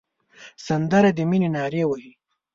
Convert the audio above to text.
سندره د مینې نارې وهي